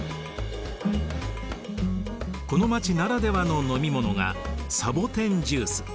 この街ならではの飲み物がサボテンジュース。